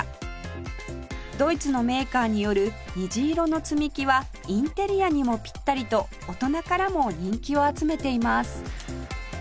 ドイツのメーカーによる虹色の積み木はインテリアにもぴったりと大人からも人気を集めています